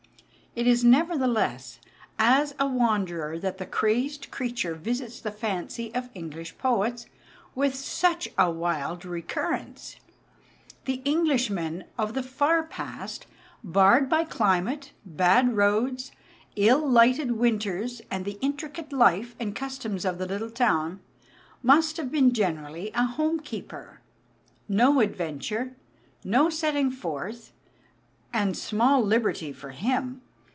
It is nevertheless as a wanderer that the crazed creature visits the fancy of English poets with such a wild recurrence. The Englishman of the far past, barred by climate, bad roads, ill lighted winters, and the intricate life and customs of the little town, must have been generally a home keeper. No adventure, no setting forth, and small liberty, for him.